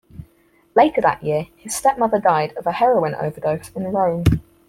Later that year, his stepmother died of a heroin overdose in Rome.